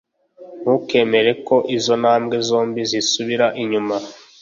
ntukemere ko izo ntambwe zombi zisubira inyuma